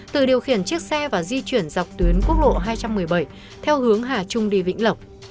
tự điều khiển chiếc xe và di chuyển dọc tuyến quốc lộ hai trăm một mươi bảy theo hướng hà trung đi vĩnh lộc